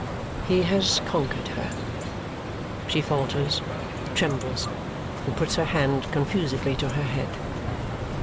He has conquered her. She falters, trembles, and puts her hand confusedly to her head.